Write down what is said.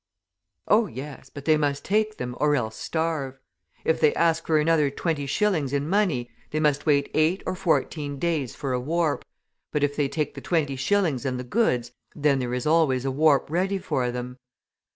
Oh, yes, but they must take them or else starve. If they ask for another 20s. in money, they must wait eight or fourteen days for a warp; but if they take the 20s. and the goods, then there is always a warp ready for them.